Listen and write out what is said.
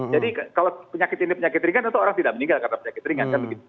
jadi kalau penyakit ini penyakit ringan tentu orang tidak meninggal karena penyakit ringan